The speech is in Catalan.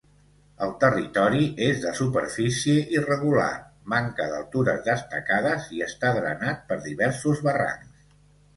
El territori és de superfície irregular, manca d'altures destacades i està drenat per diversos barrancs.